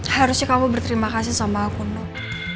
harusnya kamu berterima kasih sama aku nuk